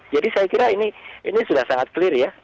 jadi saya kira ini sudah sangat clear ya